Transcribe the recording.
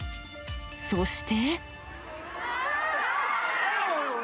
そして。